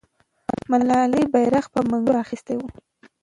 ملالۍ بیرغ په منګولو اخیستی وو.